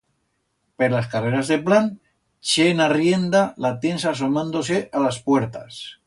Per las carreras de Plan, chent arrienda la tiens asomando-se a las puertas.